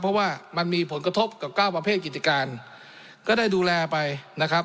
เพราะว่ามันมีผลกระทบกับเก้าประเภทกิจการก็ได้ดูแลไปนะครับ